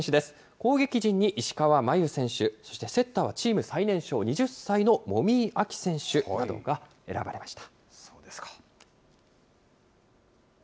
攻撃陣に石川真佑選手、そしてセッターはチーム最年少、２０歳の籾井亜紀選手などが選ばれました。